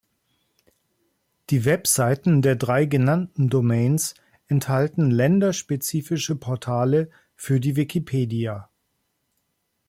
Die Webseiten der drei genannten Domains enthalten länderspezifische Portale für die Wikipedia.